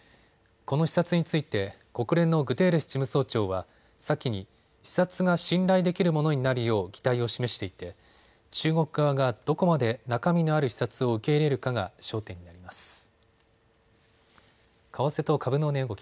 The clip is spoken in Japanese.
この視察について国連のグテーレス事務総長は先に、視察が信頼できるものになるよう期待を示していて中国側がどこまで中身のある視察を受け入れるかが焦点になります。